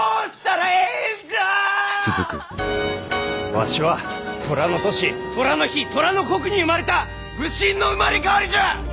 わしは寅の年寅の日寅の刻に生まれた武神の生まれ変わりじゃ！